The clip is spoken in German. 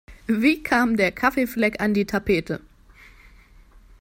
Wie kam der Kaffeefleck an die Tapete?